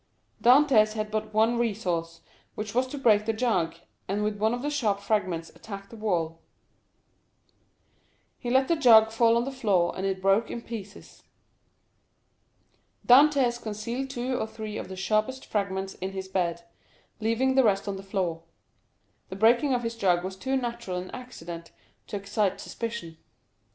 0189m Dantès had but one resource, which was to break the jug, and with one of the sharp fragments attack the wall. He let the jug fall on the floor, and it broke in pieces. Dantès concealed two or three of the sharpest fragments in his bed, leaving the rest on the floor. The breaking of his jug was too natural an accident to excite suspicion.